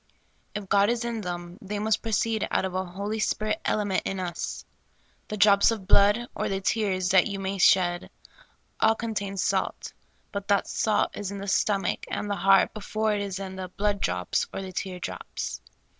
If God is in them, they must proceed out of a Holy Spirit element in us. The drops of blood, or the tears, that you may shed, all contain salt ; but that salt is in the stomach and the heart before it is in the blood drops or the tear drops.